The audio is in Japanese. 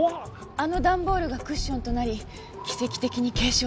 あの段ボールがクッションとなり奇跡的に軽傷で済みましたが。